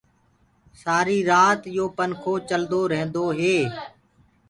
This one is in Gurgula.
سآري رآت يو پنکو چلدو ريهندو هي